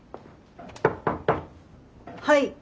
はい。